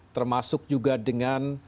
termasuk juga dengan